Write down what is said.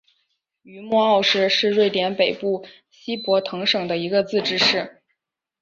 于默奥市是瑞典北部西博滕省的一个自治市。